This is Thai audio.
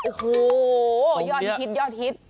โอ้โหยอดฮิต